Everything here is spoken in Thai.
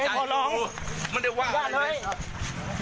กลัวจ้ะพอลอง